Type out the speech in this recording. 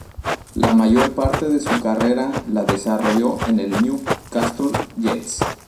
La mayor parte de su carrera la desarrolló en el Newcastle Jets.